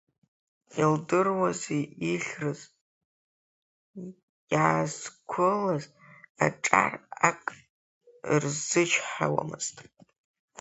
Илдыруази ихьрыз, иаазқәылаз аҿар ак рзычҳауамызт.